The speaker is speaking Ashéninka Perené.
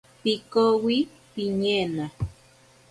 Pikowi piñena.